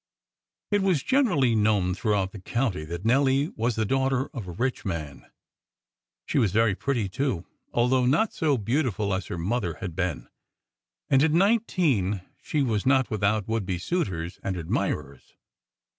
It was generally known throughout the county that Nelly was the daughter of a rich man. She was very pretty too, although not so beautiful as her mother had been; and at nineteen she was not without would be suitors and admirers.